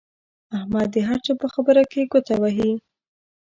احمد د هر چا په خبره کې ګوته وهي.